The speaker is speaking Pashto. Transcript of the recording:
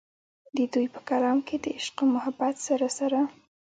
د دوي پۀ کلام کښې د عشق و محبت سره سره